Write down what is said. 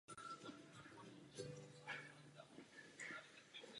O rok později mužstvo definitivně opustil.